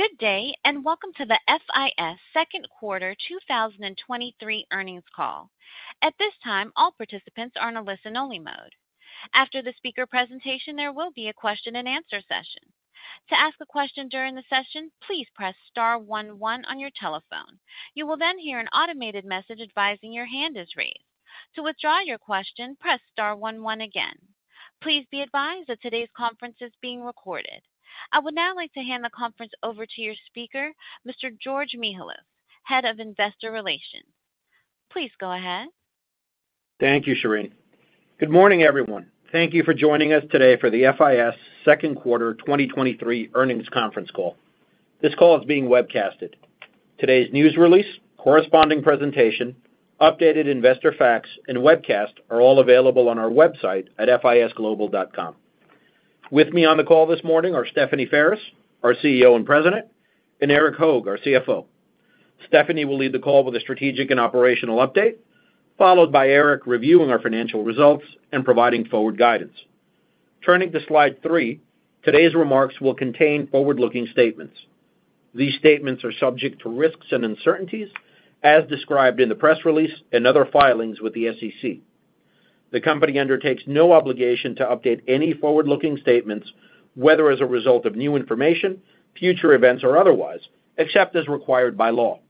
Good day, and welcome to the FIS Q2 2023 earnings call. At this time, all participants are in a listen-only mode. After the speaker presentation, there will be a question-and-answer session. To ask a question during the session, please press star one one on your telephone. You will then hear an automated message advising your hand is raised. To withdraw your question, press star one one again. Please be advised that today's conference is being recorded. I would now like to hand the conference over to your speaker, Mr. George Mihalos, Head of Investor Relations. Please go ahead. Thank you, Shireen. Good morning, everyone. Thank you for joining us today for the FIS second quarter 2023 earnings conference call. This call is being webcasted. Today's news release, corresponding presentation, updated investor facts, and webcast are all available on our website at fisglobal.com. With me on the call this morning are Stephanie Ferris, our CEO and President, and Erik Hoag, our CFO. Stephanie will lead the call with a strategic and operational update, followed by Erik reviewing our financial results and providing forward guidance. Turning to slide 3, today's remarks will contain forward-looking statements. These statements are subject to risks and uncertainties as described in the press release and other filings with the SEC. The company undertakes no obligation to update any forward-looking statements, whether as a result of new information, future events, or otherwise, except as required by law.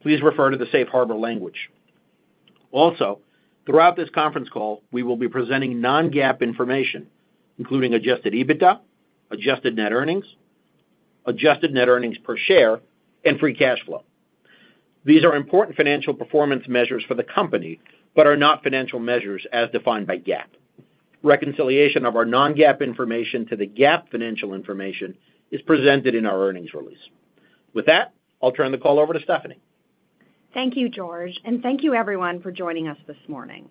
Please refer to the safe harbor language. Throughout this conference call, we will be presenting non-GAAP information, including adjusted EBITDA, adjusted net earnings, adjusted net earnings per share, and free cash flow. These are important financial performance measures for the company, but are not financial measures as defined by GAAP. Reconciliation of our non-GAAP information to the GAAP financial information is presented in our earnings release. With that, I'll turn the call over to Stephanie. Thank you, George. Thank you everyone for joining us this morning.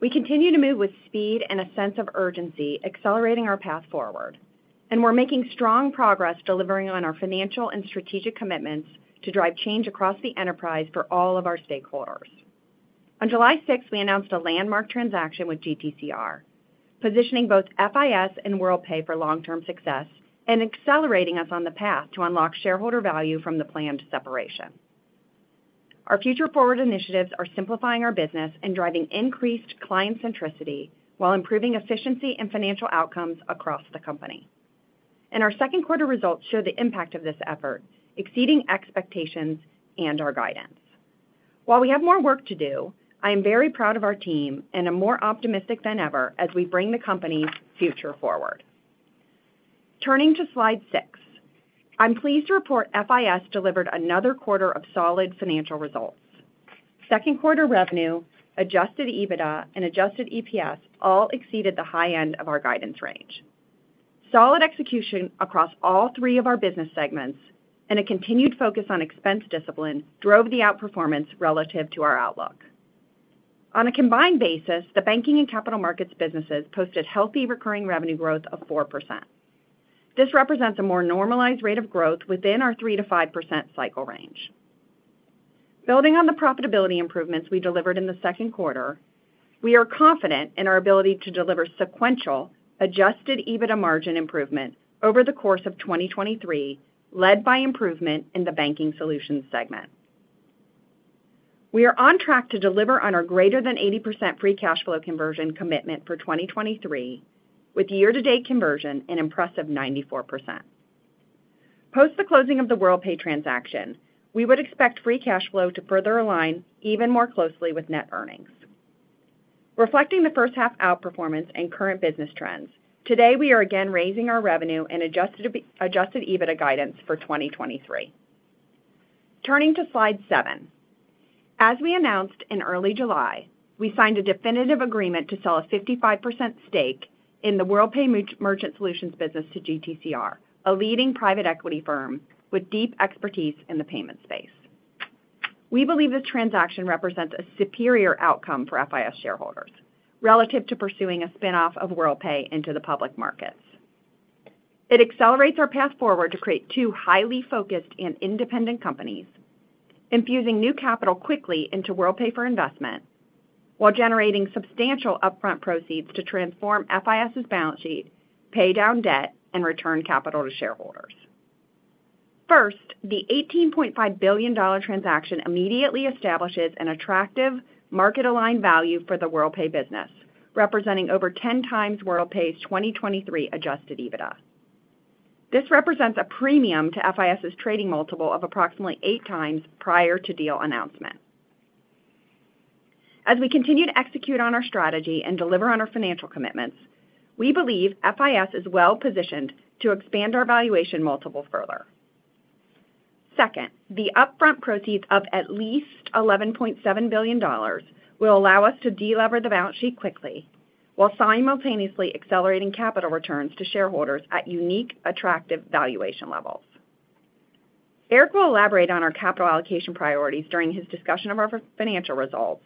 We continue to move with speed and a sense of urgency, accelerating our path forward, and we're making strong progress delivering on our financial and strategic commitments to drive change across the enterprise for all of our stakeholders. On July 6th, we announced a landmark transaction with GTCR, positioning both FIS and Worldpay for long-term success and accelerating us on the path to unlock shareholder value from the planned separation. Our Future Forward initiatives are simplifying our business and driving increased client centricity while improving efficiency and financial outcomes across the company. Our second quarter results show the impact of this effort, exceeding expectations and our guidance. While we have more work to do, I am very proud of our team and am more optimistic than ever as we bring the company's Future Forward. Turning to slide 6, I'm pleased to report FIS delivered another quarter of solid financial results. Second quarter revenue, adjusted EBITDA, and adjusted EPS all exceeded the high end of our guidance range. Solid execution across all three of our business segments and a continued focus on expense discipline drove the outperformance relative to our outlook. On a combined basis, the banking and capital markets businesses posted healthy recurring revenue growth of 4%. This represents a more normalized rate of growth within our 3%-5% cycle range. Building on the profitability improvements we delivered in the second quarter, we are confident in our ability to deliver sequential adjusted EBITDA margin improvement over the course of 2023, led by improvement in the Banking Solutions segment. We are on track to deliver on our greater than 80% free cash flow conversion commitment for 2023, with year-to-date conversion an impressive 94%. Post the closing of the Worldpay transaction, we would expect free cash flow to further align even more closely with net earnings. Reflecting the first half outperformance and current business trends, today we are again raising our revenue and adjusted EBITDA guidance for 2023. Turning to slide 7. As we announced in early July, we signed a definitive agreement to sell a 55% stake in the Worldpay Merchant Solutions business to GTCR, a leading private equity firm with deep expertise in the payment space. We believe this transaction represents a superior outcome for FIS shareholders relative to pursuing a spin-off of Worldpay into the public markets. It accelerates our path forward to create two highly focused and independent companies, infusing new capital quickly into Worldpay for investment, while generating substantial upfront proceeds to transform FIS's balance sheet, pay down debt, and return capital to shareholders. First, the $18.5 billion transaction immediately establishes an attractive market-aligned value for the Worldpay business, representing over 10x Worldpay's 2023 Adjusted EBITDA. This represents a premium to FIS's trading multiple of approximately 8x prior to deal announcement. As we continue to execute on our strategy and deliver on our financial commitments, we believe FIS is well positioned to expand our valuation multiple further. Second, the upfront proceeds of at least $11.7 billion will allow us to delever the balance sheet quickly, while simultaneously accelerating capital returns to shareholders at unique, attractive valuation levels. Erik will elaborate on our capital allocation priorities during his discussion of his financial results.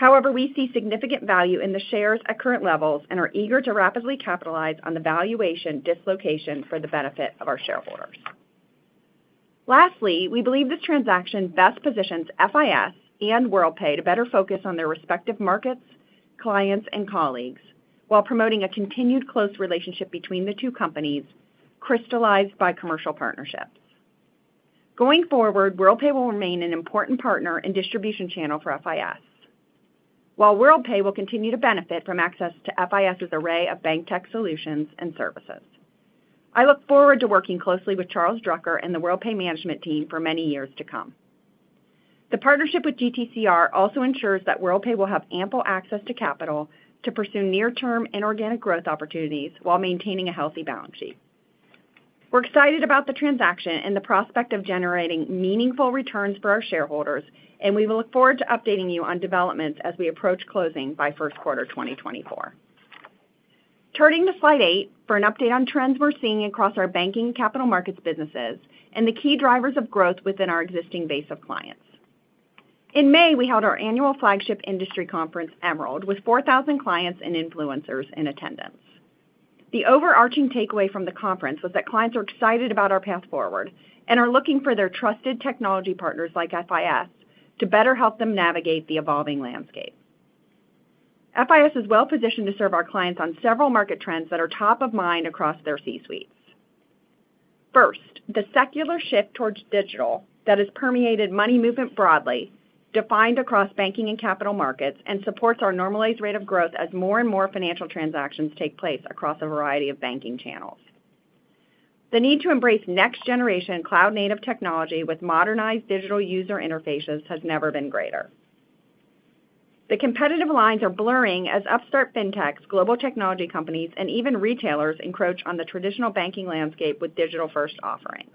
We see significant value in the shares at current levels and are eager to rapidly capitalize on the valuation dislocation for the benefit of our shareholders. Lastly, we believe this transaction best positions FIS and Worldpay to better focus on their respective markets, clients, and colleagues, while promoting a continued close relationship between the two companies, crystallized by commercial partnerships. Going forward, Worldpay will remain an important partner and distribution channel for FIS, while Worldpay will continue to benefit from access to FIS's array of bank tech solutions and services. I look forward to working closely with Charles Drucker and the Worldpay management team for many years to come. The partnership with GTCR also ensures that Worldpay will have ample access to capital to pursue near-term inorganic growth opportunities while maintaining a healthy balance sheet. We're excited about the transaction and the prospect of generating meaningful returns for our shareholders, and we look forward to updating you on developments as we approach closing by first quarter 2024. Turning to slide 8 for an update on trends we're seeing across our banking capital markets businesses and the key drivers of growth within our existing base of clients. In May, we held our annual flagship industry conference, Emerald, with 4,000 clients and influencers in attendance. The overarching takeaway from the conference was that clients are excited about our path forward and are looking for their trusted technology partners like FIS to better help them navigate the evolving landscape. FIS is well-positioned to serve our clients on several market trends that are top of mind across their C-suites. First, the secular shift towards digital that has permeated money movement broadly, defined across banking and capital markets, and supports our normalized rate of growth as more and more financial transactions take place across a variety of banking channels. The need to embrace next-generation cloud-native technology with modernized digital user interfaces has never been greater. The competitive lines are blurring as upstart Fintechs, global technology companies, and even retailers encroach on the traditional banking landscape with digital-first offerings.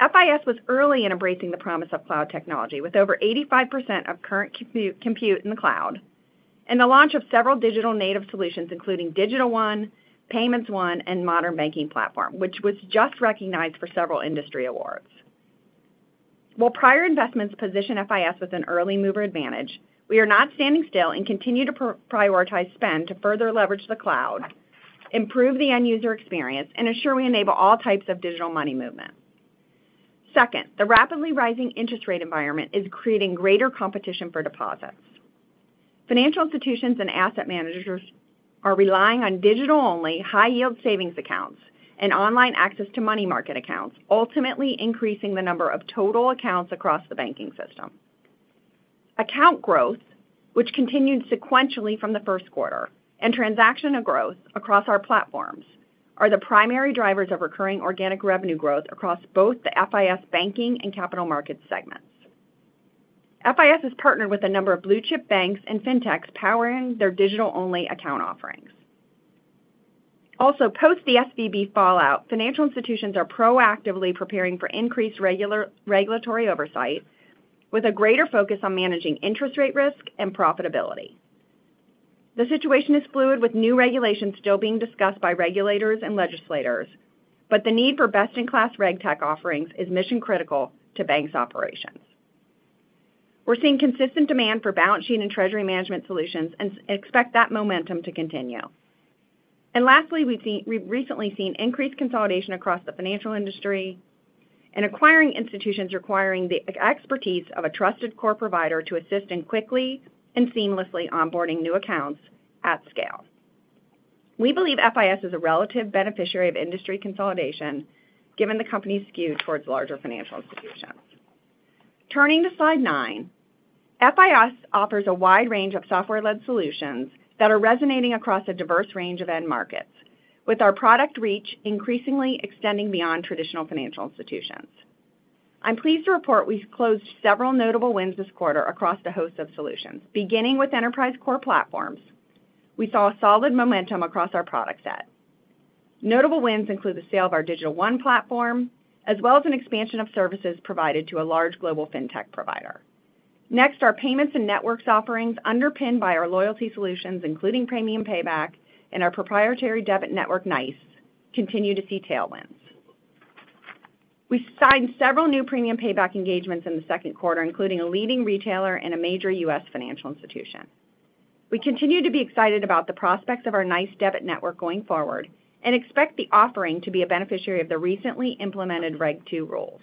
FIS was early in embracing the promise of cloud technology, with over 85% of current compute in the cloud and the launch of several digital native solutions, including Digital One, Payments One, and Modern Banking Platform, which was just recognized for several industry awards. While prior investments position FIS with an early mover advantage, we are not standing still and continue to prioritize spend to further leverage the cloud, improve the end-user experience, and ensure we enable all types of digital money movement. Second, the rapidly rising interest rate environment is creating greater competition for deposits. Financial institutions and asset managers are relying on digital-only, high-yield savings accounts and online access to money market accounts, ultimately increasing the number of total accounts across the banking system. Account growth, which continued sequentially from the first quarter, and transactional growth across our platforms are the primary drivers of recurring organic revenue growth across both the FIS banking and capital markets segments. FIS has partnered with a number of blue-chip banks and Fintechs, powering their digital-only account offerings. Post the SVB fallout, financial institutions are proactively preparing for increased regulatory oversight with a greater focus on managing interest rate risk and profitability. The situation is fluid, with new regulations still being discussed by regulators and legislators, but the need for best-in-class RegTech offerings is mission-critical to banks' operations. We're seeing consistent demand for balance sheet and treasury management solutions and expect that momentum to continue. Lastly, we've recently seen increased consolidation across the financial industry and acquiring institutions requiring the expertise of a trusted core provider to assist in quickly and seamlessly onboarding new accounts at scale. We believe FIS is a relative beneficiary of industry consolidation, given the company's skew towards larger financial institutions. Turning to slide 9, FIS offers a wide range of software-led solutions that are resonating across a diverse range of end markets, with our product reach increasingly extending beyond traditional financial institutions. I'm pleased to report we've closed several notable wins this quarter across a host of solutions. Beginning with enterprise core platforms, we saw a solid momentum across our product set. Notable wins include the sale of our Digital One platform, as well as an expansion of services provided to a large global Fintech provider. Next, our payments and networks offerings, underpinned by our loyalty solutions, including Premium Payback and our proprietary debit network, NYCE, continue to see tailwinds. We signed several new Premium Payback engagements in the second quarter, including a leading retailer and a major U.S. financial institution. We continue to be excited about the prospects of our NYCE debit network going forward and expect the offering to be a beneficiary of the recently implemented Regulation II rules.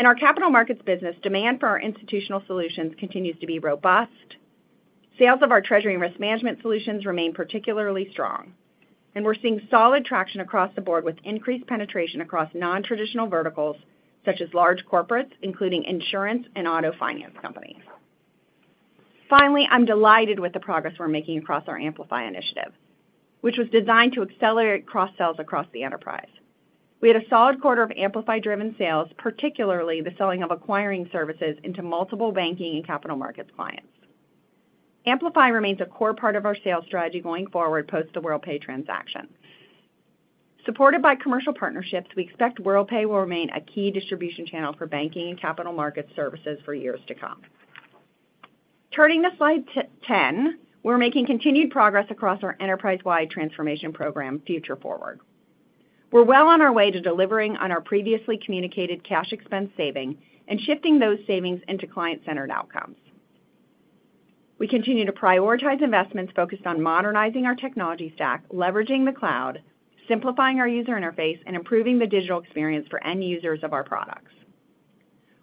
In our capital markets business, demand for our institutional solutions continues to be robust. Sales of our treasury and risk management solutions remain particularly strong, and we're seeing solid traction across the board, with increased penetration across non-traditional verticals such as large corporates, including insurance and auto finance companies. Finally, I'm delighted with the progress we're making across our Amplify initiative, which was designed to accelerate cross-sells across the enterprise. We had a solid quarter of Amplify-driven sales, particularly the selling of acquiring services into multiple banking and capital markets clients. Amplify remains a core part of our sales strategy going forward, post the Worldpay transaction. Supported by commercial partnerships, we expect Worldpay will remain a key distribution channel for banking and capital markets services for years to come. Turning to slide 10, we're making continued progress across our enterprise-wide transformation program, Future Forward. We're well on our way to delivering on our previously communicated cash expense saving and shifting those savings into client-centered outcomes. We continue to prioritize investments focused on modernizing our technology stack, leveraging the cloud, simplifying our user interface, and improving the digital experience for end users of our products.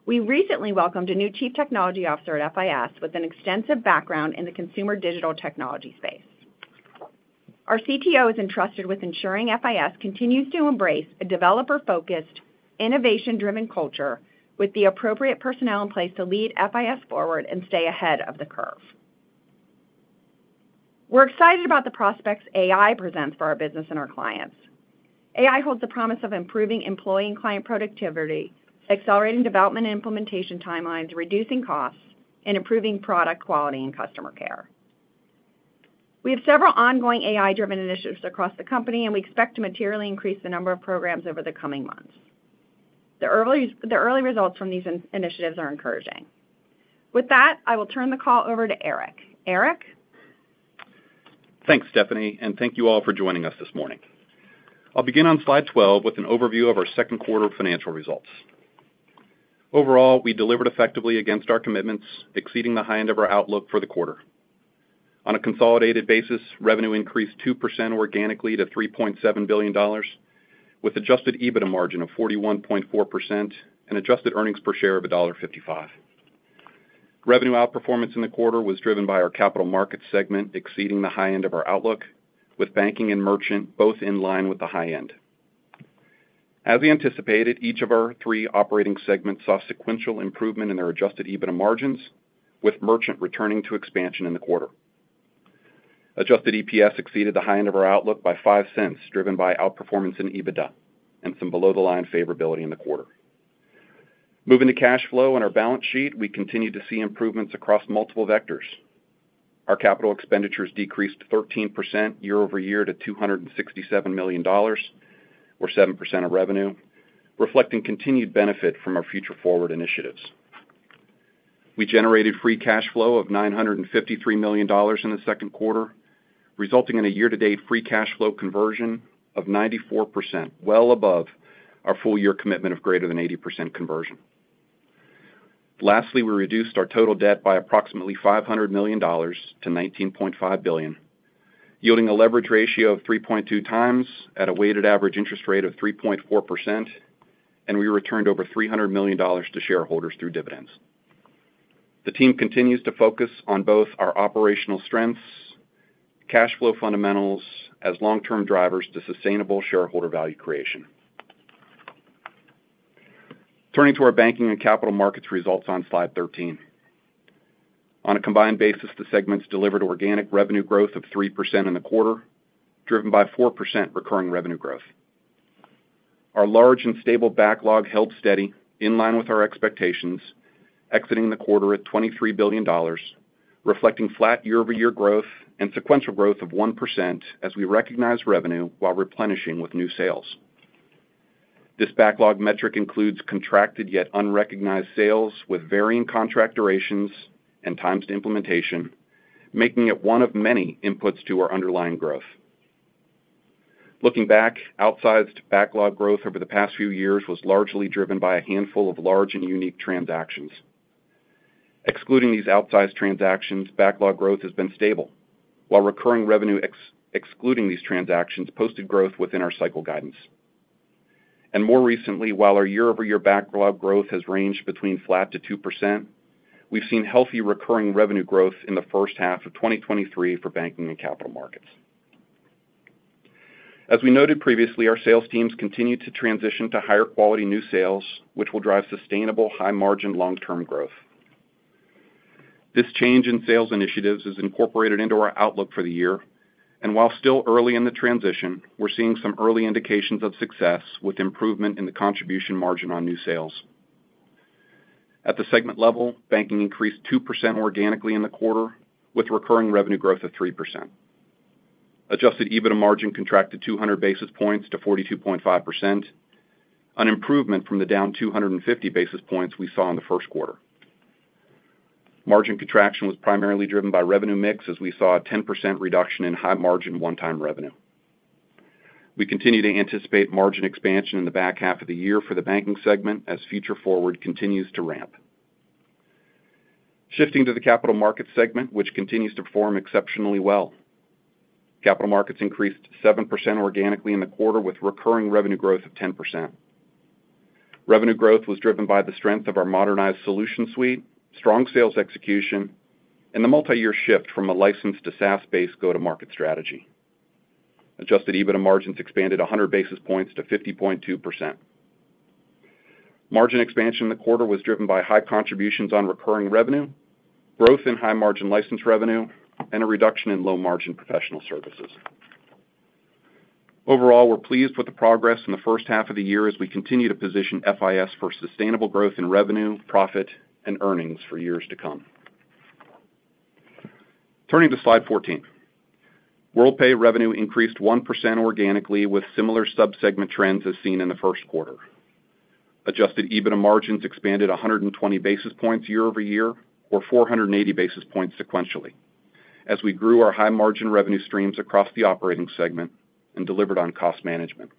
We recently welcomed a new chief technology officer at FIS with an extensive background in the consumer digital technology space. Our CTO is entrusted with ensuring FIS continues to embrace a developer-focused, innovation-driven culture with the appropriate personnel in place to lead FIS forward and stay ahead of the curve. We're excited about the prospects AI presents for our business and our clients. AI holds the promise of improving employee and client productivity, accelerating development and implementation timelines, reducing costs, and improving product quality and customer care. We have several ongoing AI-driven initiatives across the company, and we expect to materially increase the number of programs over the coming months. The early results from these initiatives are encouraging. With that, I will turn the call over to Erik. Erik? Thanks, Stephanie, thank you all for joining us this morning. I'll begin on slide 12 with an overview of our second quarter financial results. Overall, we delivered effectively against our commitments, exceeding the high end of our outlook for the quarter. On a consolidated basis, revenue increased 2% organically to $3.7 billion, with adjusted EBITDA margin of 41.4% and adjusted earnings per share of $1.55. Revenue outperformance in the quarter was driven by our capital markets segment exceeding the high end of our outlook, with banking and merchant both in line with the high end. As we anticipated, each of our three operating segments saw sequential improvement in their adjusted EBITDA margins, with merchant returning to expansion in the quarter. Adjusted EPS exceeded the high end of our outlook by $0.05, driven by outperformance in EBITDA and some below-the-line favorability in the quarter. Moving to cash flow and our balance sheet, we continue to see improvements across multiple vectors. Our capital expenditures decreased 13% year-over-year to $267 million, or 7% of revenue, reflecting continued benefit from our Future Forward initiatives. We generated free cash flow of $953 million in the second quarter, resulting in a year-to-date free cash flow conversion of 94%, well above our full-year commitment of greater than 80% conversion. Lastly, we reduced our total debt by approximately $500 million to $19.5 billion, yielding a leverage ratio of 3.2x at a weighted average interest rate of 3.4%. We returned over $300 million to shareholders through dividends. The team continues to focus on both our operational strengths, cash flow fundamentals as long-term drivers to sustainable shareholder value creation. Turning to our banking and capital markets results on slide 13. On a combined basis, the segments delivered organic revenue growth of 3% in the quarter, driven by 4% recurring revenue growth. Our large and stable backlog held steady, in line with our expectations, exiting the quarter at $23 billion, reflecting flat year-over-year growth and sequential growth of 1% as we recognize revenue while replenishing with new sales. This backlog metric includes contracted yet unrecognized sales with varying contract durations and times to implementation, making it one of many inputs to our underlying growth. Looking back, outsized backlog growth over the past few years was largely driven by a handful of large and unique transactions. Excluding these outsized transactions, backlog growth has been stable, while recurring revenue excluding these transactions, posted growth within our cycle guidance. More recently, while our year-over-year backlog growth has ranged between flat to 2%, we've seen healthy recurring revenue growth in the first half of 2023 for banking and capital markets. As we noted previously, our sales teams continue to transition to higher quality new sales, which will drive sustainable, high-margin, long-term growth. This change in sales initiatives is incorporated into our outlook for the year, and while still early in the transition, we're seeing some early indications of success with improvement in the contribution margin on new sales. At the segment level, banking increased 2% organically in the quarter, with recurring revenue growth of 3%. Adjusted EBITDA margin contracted 200 basis points to 42.5%, an improvement from the down 250 basis points we saw in the first quarter. Margin contraction was primarily driven by revenue mix, as we saw a 10% reduction in high-margin one-time revenue. We continue to anticipate margin expansion in the back half of the year for the banking segment as Future Forward continues to ramp. Shifting to the capital markets segment, which continues to perform exceptionally well. Capital markets increased 7% organically in the quarter, with recurring revenue growth of 10%. Revenue growth was driven by the strength of our modernized solution suite, strong sales execution, and the multi-year shift from a licensed to SaaS-based go-to-market strategy. Adjusted EBITDA margins expanded 100 basis points to 50.2%. Margin expansion in the quarter was driven by high contributions on recurring revenue, growth in high-margin license revenue, and a reduction in low-margin professional services. Overall, we're pleased with the progress in the first half of the year as we continue to position FIS for sustainable growth in revenue, profit, and earnings for years to come. Turning to slide 14. Worldpay revenue increased 1% organically, with similar sub-segment trends as seen in the first quarter. Adjusted EBITDA margins expanded 120 basis points year-over-year, or 480 basis points sequentially, as we grew our high-margin revenue streams across the operating segment and delivered on cost management.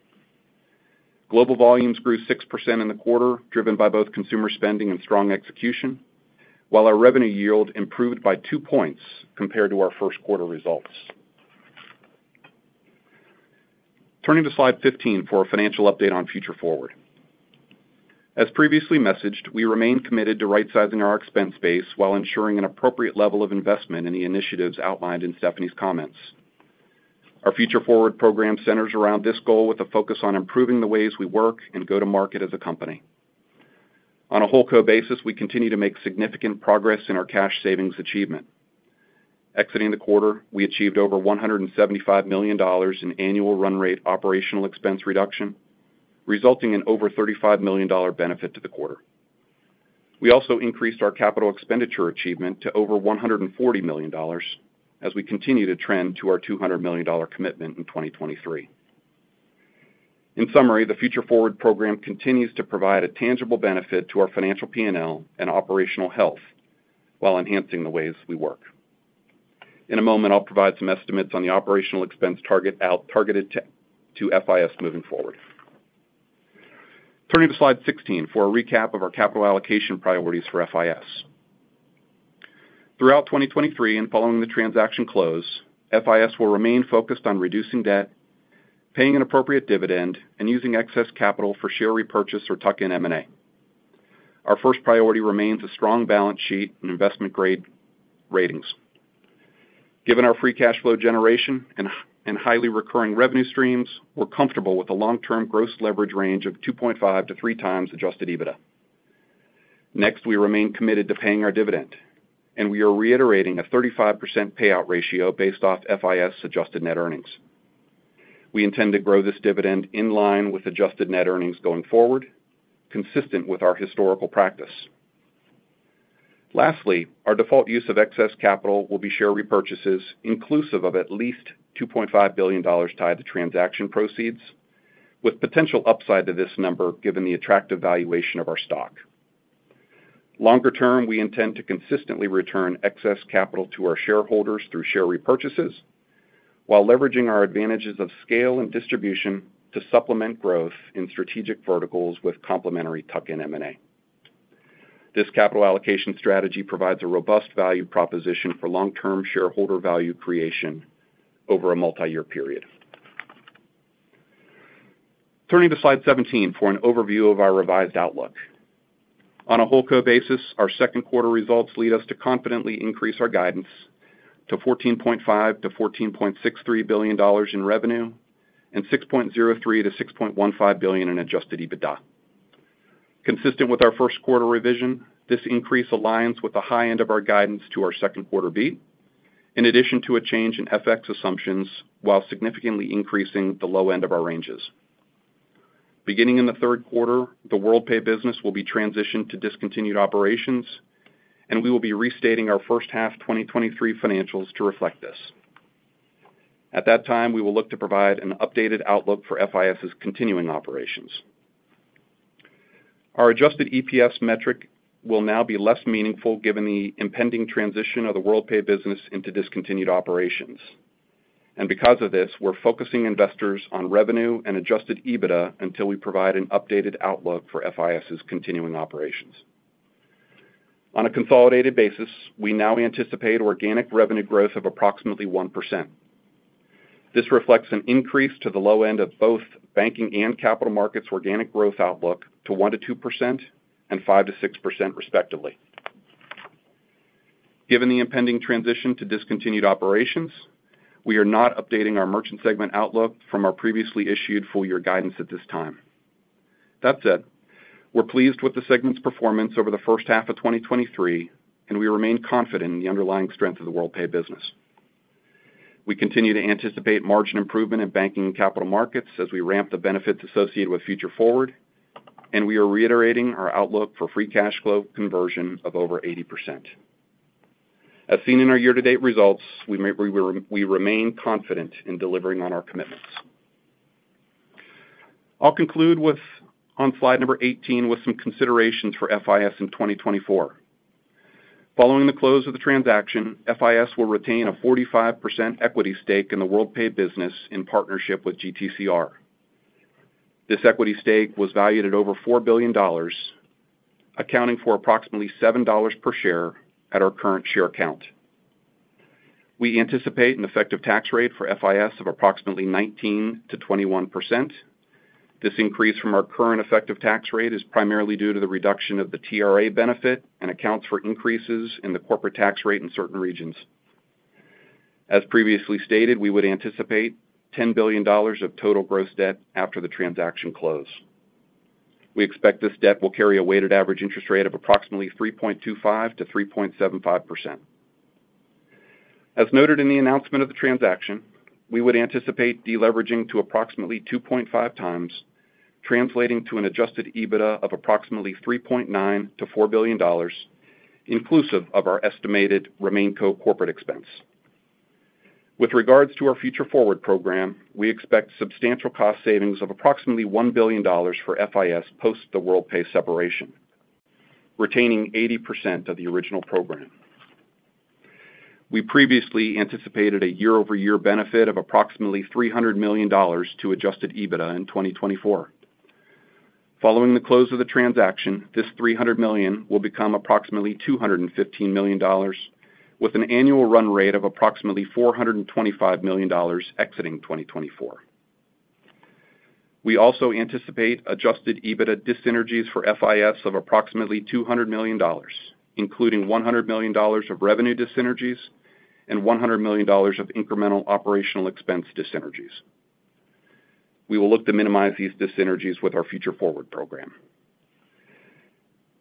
Global volumes grew 6% in the quarter, driven by both consumer spending and strong execution, while our revenue yield improved by 2 points compared to our first quarter results. Turning to slide 15 for a financial update on Future Forward. As previously messaged, we remain committed to rightsizing our expense base while ensuring an appropriate level of investment in the initiatives outlined in Stephanie Ferris's comments. Our Future Forward program centers around this goal with a focus on improving the ways we work and go to market as a company. On a whole company basis, we continue to make significant progress in our cash savings achievement. Exiting the quarter, we achieved over $175 million in annual run rate operational expense reduction, resulting in over $35 million benefit to the quarter. We also increased our capital expenditure achievement to over $140 million as we continue to trend to our $200 million commitment in 2023. In summary, the Future Forward program continues to provide a tangible benefit to our financial P&L and operational health while enhancing the ways we work. In a moment, I'll provide some estimates on the operational expense target targeted to FIS moving forward. Turning to slide 16 for a recap of our capital allocation priorities for FIS. Throughout 2023 and following the transaction close, FIS will remain focused on reducing debt, paying an appropriate dividend, and using excess capital for share repurchase or tuck-in M&A. Our first priority remains a strong balance sheet and investment-grade ratings. Given our free cash flow generation and highly recurring revenue streams, we're comfortable with a long-term gross leverage range of 2.5-3x adjusted EBITDA. Next, we remain committed to paying our dividend, and we are reiterating a 35% payout ratio based off FIS adjusted net earnings. We intend to grow this dividend in line with adjusted net earnings going forward, consistent with our historical practice. Lastly, our default use of excess capital will be share repurchases, inclusive of at least $2.5 billion tied to transaction proceeds, with potential upside to this number, given the attractive valuation of our stock. Longer term, we intend to consistently return excess capital to our shareholders through share repurchases, while leveraging our advantages of scale and distribution to supplement growth in strategic verticals with complementary tuck-in M&A. This capital allocation strategy provides a robust value proposition for long-term shareholder value creation over a multiyear period. Turning to slide 17 for an overview of our revised outlook. On a whole company basis, our second quarter results lead us to confidently increase our guidance to $14.5 billion-$14.63 billion in revenue and $6.03 billion-$6.15 billion in adjusted EBITDA. Consistent with our first quarter revision, this increase aligns with the high end of our guidance to our second quarter beat, in addition to a change in FX assumptions, while significantly increasing the low end of our ranges. Beginning in the third quarter, the Worldpay business will be transitioned to discontinued operations, and we will be restating our first half 2023 financials to reflect this. At that time, we will look to provide an updated outlook for FIS' continuing operations. Our adjusted EPS metric will now be less meaningful, given the impending transition of the Worldpay business into discontinued operations. Because of this, we're focusing investors on revenue and adjusted EBITDA until we provide an updated outlook for FIS' continuing operations. On a consolidated basis, we now anticipate organic revenue growth of approximately 1%. This reflects an increase to the low end of both banking and capital markets organic growth outlook to 1%-2% and 5%-6% respectively. Given the impending transition to discontinued operations, we are not updating our merchant segment outlook from our previously issued full year guidance at this time. That said, we're pleased with the segment's performance over the first half of 2023, and we remain confident in the underlying strength of the Worldpay business. We continue to anticipate margin improvement in banking and capital markets as we ramp the benefits associated with Future Forward, and we are reiterating our outlook for free cash flow conversion of over 80%. As seen in our year-to-date results, we remain confident in delivering on our commitments. I'll conclude with on slide number 18, with some considerations for FIS in 2024. Following the close of the transaction, FIS will retain a 45% equity stake in the Worldpay business in partnership with GTCR. This equity stake was valued at over $4 billion, accounting for approximately $7 per share at our current share count. We anticipate an effective tax rate for FIS of approximately 19%-21%. This increase from our current effective tax rate is primarily due to the reduction of the TRA benefit and accounts for increases in the corporate tax rate in certain regions. As previously stated, we would anticipate $10 billion of total gross debt after the transaction close. We expect this debt will carry a weighted average interest rate of approximately 3.25%-3.75%. As noted in the announcement of the transaction, we would anticipate deleveraging to approximately 2.5x, translating to an adjusted EBITDA of approximately $3.9 billion-$4 billion, inclusive of our estimated RemainCo corporate expense. With regards to our Future Forward program, we expect substantial cost savings of approximately $1 billion for FIS post the Worldpay separation, retaining 80% of the original program. We previously anticipated a year-over-year benefit of approximately $300 million to adjusted EBITDA in 2024. Following the close of the transaction, this $300 million will become approximately $215 million, with an annual run rate of approximately $425 million exiting 2024. We also anticipate adjusted EBITDA dyssynergies for FIS of approximately $200 million, including $100 million of revenue dyssynergies and $100 million of incremental operational expense dyssynergies. We will look to minimize these dyssynergies with our Future Forward program.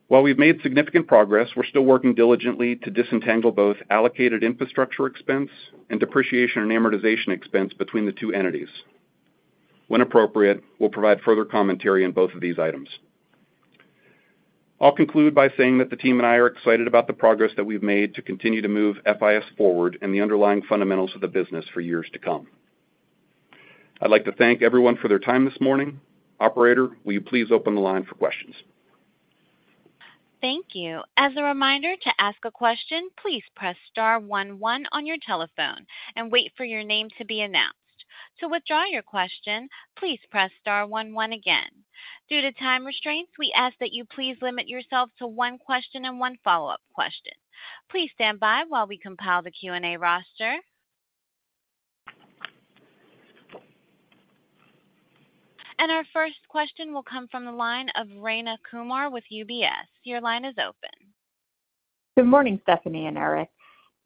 While we've made significant progress, we're still working diligently to disentangle both allocated infrastructure expense and depreciation and amortization expense between the two entities. When appropriate, we'll provide further commentary on both of these items. I'll conclude by saying that the team and I are excited about the progress that we've made to continue to move FIS forward and the underlying fundamentals of the business for years to come. I'd like to thank everyone for their time this morning. Operator, will you please open the line for questions? Thank you. As a reminder to ask a question, please press star one one on your telephone and wait for your name to be announced. To withdraw your question, please press star one one again. Due to time restraints, we ask that you please limit yourself to one question and one follow-up question. Please stand by while we compile the Q&A roster. Our first question will come from the line of Rayna Kumar with UBS. Your line is open. Good morning, Stephanie and Erik.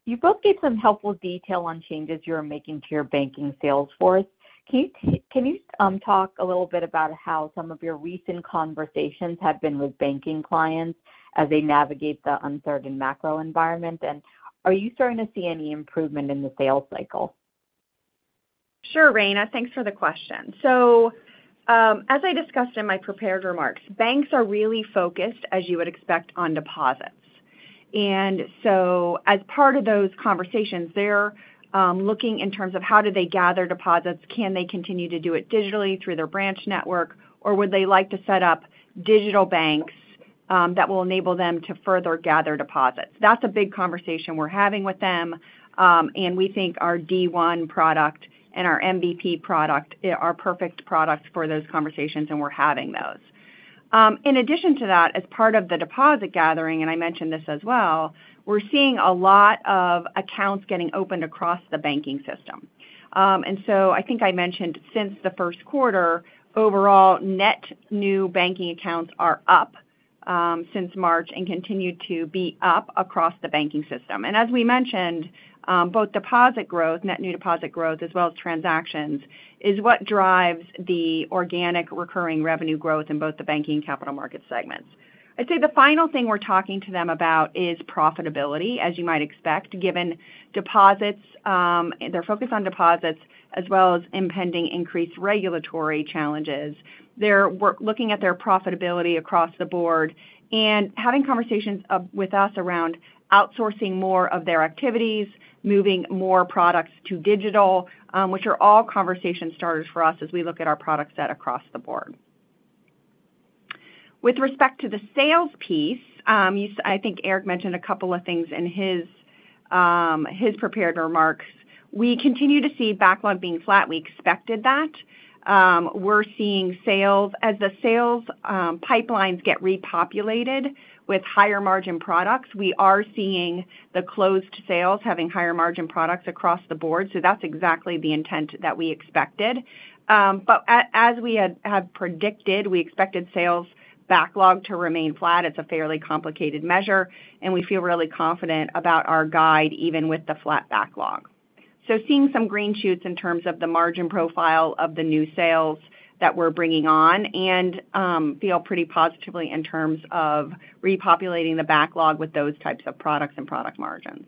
You both gave some helpful detail on changes you are making to your banking sales force. Can you, can you talk a little bit about how some of your recent conversations have been with banking clients as they navigate the uncertain macro environment? Are you starting to see any improvement in the sales cycle? Sure, Rayna. Thanks for the question. As I discussed in my prepared remarks, banks are really focused, as you would expect, on deposits. As part of those conversations, they're looking in terms of how do they gather deposits, can they continue to do it digitally through their branch network, or would they like to set up digital banks that will enable them to further gather deposits? That's a big conversation we're having with them, and we think our D1 product and our MBP product are perfect products for those conversations, and we're having those. In addition to that, as part of the deposit gathering, and I mentioned this as well, we're seeing a lot of accounts getting opened across the banking system. So I think I mentioned since the first quarter, overall net new banking accounts are up since March and continue to be up across the banking system. As we mentioned, both deposit growth, net new deposit growth as well as transactions, is what drives the organic recurring revenue growth in both the banking and capital market segments. I'd say the final thing we're talking to them about is profitability, as you might expect, given deposits, their focus on deposits as well as impending increased regulatory challenges. They're looking at their profitability across the board and having conversations with us around outsourcing more of their activities, moving more products to digital, which are all conversation starters for us as we look at our product set across the board. With respect to the sales piece, I think Erik mentioned a couple of things in his prepared remarks. We continue to see backlog being flat. We expected that. We're seeing sales as the sales pipelines get repopulated with higher margin products, we are seeing the closed sales having higher margin products across the board. That's exactly the intent that we expected. As we had, had predicted, we expected sales backlog to remain flat. It's a fairly complicated measure, and we feel really confident about our guide, even with the flat backlog. Seeing some green shoots in terms of the margin profile of the new sales that we're bringing on and feel pretty positively in terms of repopulating the backlog with those types of products and product margins.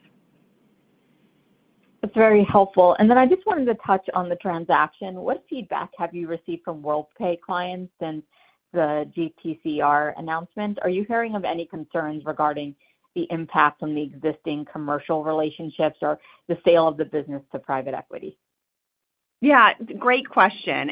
That's very helpful. Then I just wanted to touch on the transaction. What feedback have you received from Worldpay clients since the GTCR announcement? Are you hearing of any concerns regarding the impact on the existing commercial relationships or the sale of the business to private equity? Yeah, great question.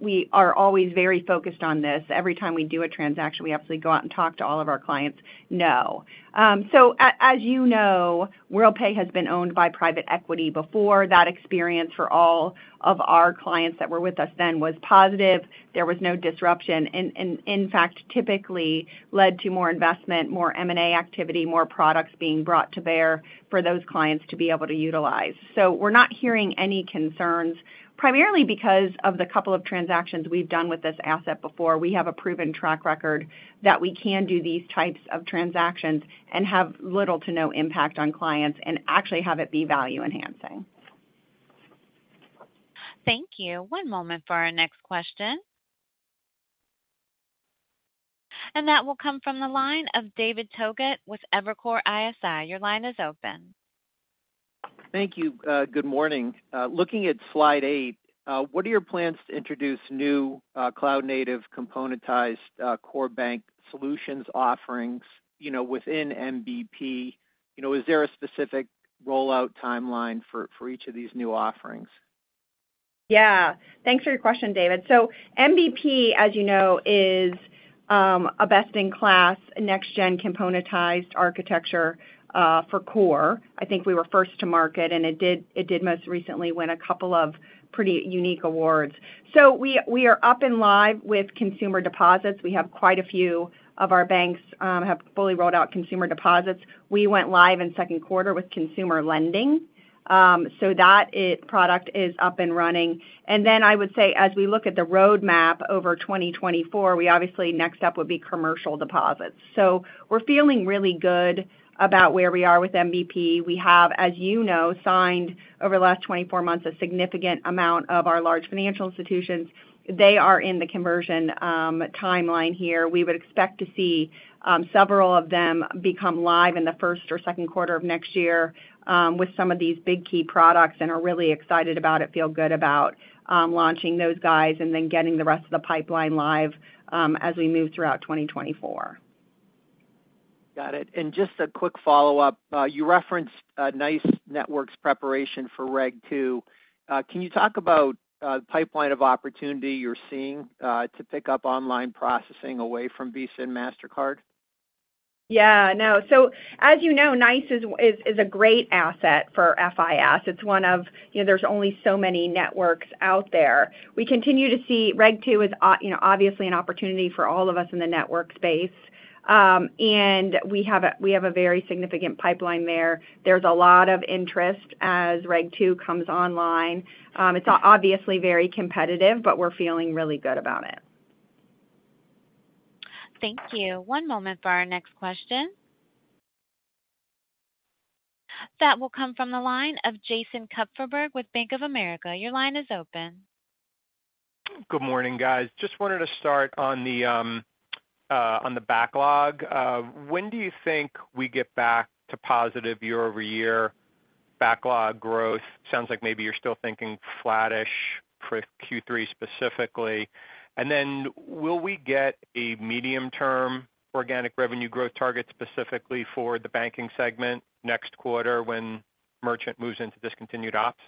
We are always very focused on this. Every time we do a transaction, we obviously go out and talk to all of our clients. No. As you know, Worldpay has been owned by private equity before. That experience for all of our clients that were with us then was positive. There was no disruption, and in fact, typically led to more investment, more M&A activity, more products being brought to bear for those clients to be able to utilize. We're not hearing any concerns, primarily because of the couple of transactions we've done with this asset before. We have a proven track record that we can do these types of transactions and have little to no impact on clients and actually have it be value enhancing. Thank you. One moment for our next question. That will come from the line of David Togut with Evercore ISI. Your line is open. Thank you. Good morning. Looking at slide 8, what are your plans to introduce new, cloud-native, componentized, core bank solutions offerings, you know, within MBP? You know, is there a specific rollout timeline for, for each of these new offerings? Yeah, thanks for your question, David. MBP, as you know, is a best-in-class, next-gen, componentized architecture for core. I think we were first to market, and it did, it did most recently win a couple of pretty unique awards. So we, we are up and live with consumer deposits. We have quite a few of our banks have fully rolled out consumer deposits. We went live in Q2 with consumer lending, so that product is up and running. I would say as we look at the roadmap over 2024, we obviously next step would be commercial deposits. We're feeling really good about where we are with MBP. We have, as you know, signed over the last 24 months, a significant amount of our large financial institutions. They are in the conversion timeline here. We would expect to see, several of them become live in the first or second quarter of next year, with some of these big key products, and are really excited about it, feel good about, launching those guys and then getting the rest of the pipeline live, as we move throughout 2024. Got it. Just a quick follow-up. You referenced, NYCE Network's preparation for Reg II. Can you talk about, the pipeline of opportunity you're seeing, to pick up online processing away from Visa and Mastercard? Yeah. No. As you know, NYCE is, is, is a great asset for FIS. It's one of... You know, there's only so many networks out there. We continue to see Regulation II as you know, obviously an opportunity for all of us in the network space. We have a, we have a very significant pipeline there. There's a lot of interest as Regulation II comes online. It's obviously very competitive, but we're feeling really good about it. Thank you. One moment for our next question. That will come from the line of Jason Kupferberg with Bank of America. Your line is open. Good morning, guys. Just wanted to start on the backlog. When do you think we get back to positive year-over-year backlog growth? Sounds like maybe you're still thinking flattish for Q3 specifically. Will we get a medium-term organic revenue growth target, specifically for the banking segment next quarter when merchant moves into discontinued ops?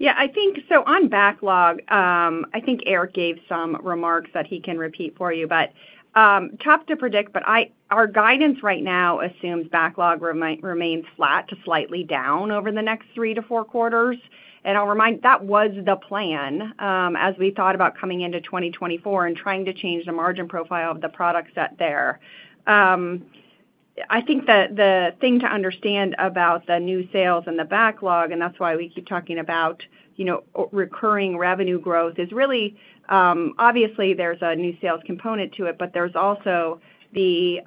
Yeah, I think so on backlog, I think Erik gave some remarks that he can repeat for you, but tough to predict, but our guidance right now assumes backlog remains flat to slightly down over the next three to four quarters. I'll remind, that was the plan, as we thought about coming into 2024 and trying to change the margin profile of the product set there. I think that the thing to understand about the new sales and the backlog, and that's why we keep talking about, you know, recurring revenue growth, is really, obviously there's a new sales component to it, but there's also the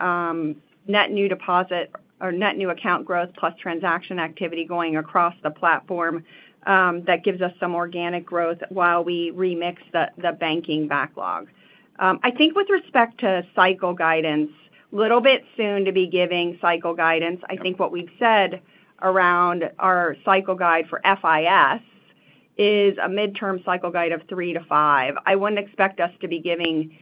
net new deposit or net new account growth plus transaction activity going across the platform, that gives us some organic growth while we remix the banking backlog. I think with respect to cycle guidance, little bit soon to be giving cycle guidance. I think what we've said around our cycle guide for FIS is a midterm cycle guide of three to five. I wouldn't expect us to be giving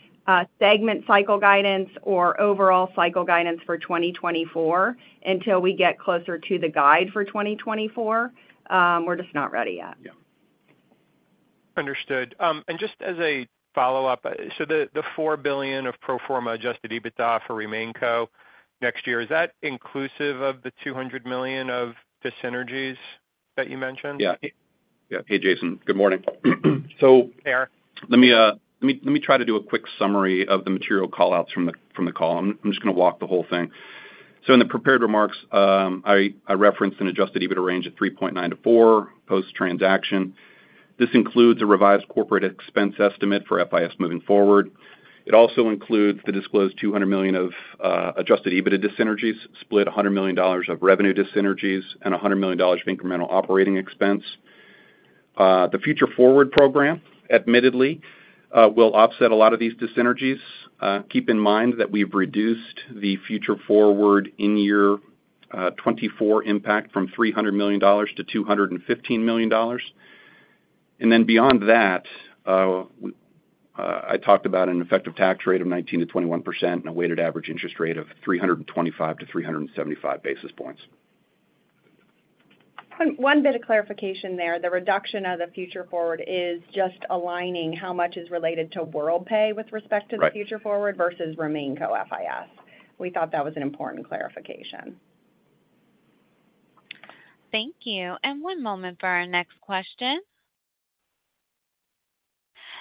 segment cycle guidance or overall cycle guidance for 2024 until we get closer to the guide for 2024. We're just not ready yet. Yeah. Understood. Just as a follow-up, the $4 billion of pro forma adjusted EBITDA for RemainCo next year, is that inclusive of the $200 million of dyssynergies that you mentioned? Yeah. Yeah. Hey, Jason, good morning. Hey, Erik. Let me, let me, let me try to do a quick summary of the material call-outs from the, from the call. I'm, I'm just going to walk the whole thing. In the prepared remarks, I, I referenced an adjusted EBITDA range of $3.9-$4 post-transaction. This includes a revised corporate expense estimate for FIS moving forward. It also includes the disclosed $200 million of adjusted EBITDA dyssynergies, split $100 million of revenue dyssynergies and $100 million of incremental operating expense. The Future Forward program, admittedly, will offset a lot of these dyssynergies. Keep in mind that we've reduced the Future Forward in year 2024 impact from $300 million to $215 million. Then beyond that, I talked about an effective tax rate of 19%-21% and a weighted average interest rate of 325-375 basis points. One, one bit of clarification there. The reduction of the Future Forward is just aligning how much is related to Worldpay with respect. Right. -to the Future Forward versus RemainCo FIS. We thought that was an important clarification. Thank you. One moment for our next question.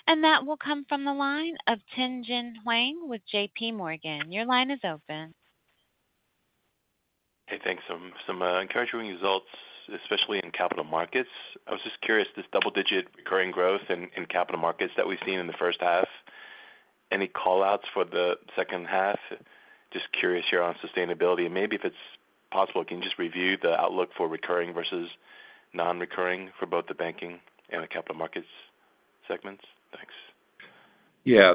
That will come from the line of Tien-tsin Huang with JPMorgan. Your line is open. Hey, thanks. Some, some encouraging results, especially in capital markets. I was just curious, this double-digit recurring growth in, in capital markets that we've seen in the first half, any call-outs for the second half? Just curious here on sustainability. Maybe if it's possible, can you just review the outlook for recurring versus non-recurring for both the banking and the capital markets segments? Thanks. Yeah.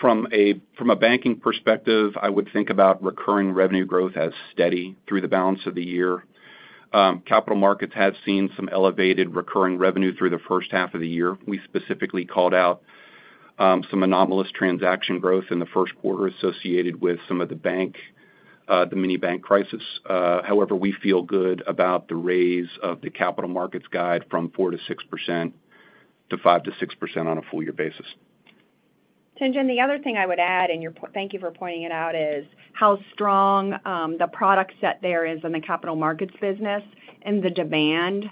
From a banking perspective, I would think about recurring revenue growth as steady through the balance of the year. Capital markets have seen some elevated recurring revenue through the first half of the year. We specifically called out some anomalous transaction growth in the first quarter associated with some of the bank... the mini bank crisis. However, we feel good about the raise of the capital markets guide from 4%-6% to 5%-6% on a full year basis. Tien-tsin, the other thing I would add, and thank you for pointing it out, is how strong the product set there is in the capital markets business and the demand